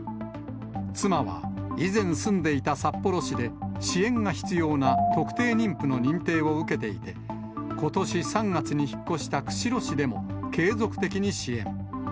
妻は、以前住んでいた札幌市で、支援が必要な特定妊婦の認定を受けていて、ことし３月に引っ越した釧路市でも、継続的に支援。